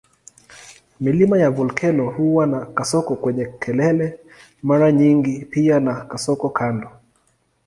Milima ya volkeno huwa na kasoko kwenye kelele mara nyingi pia na kasoko kando.